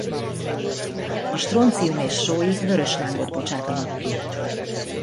A stroncium és sói vörös lángot bocsátanak ki.